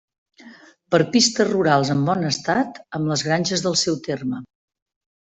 Per pistes rurals en bon estat, amb les granges del seu terme.